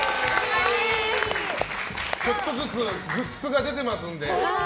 ちょっとずつグッズが出てますので。